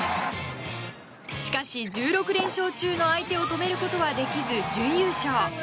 しかし、１６連勝中の相手を止めることはできず準優勝。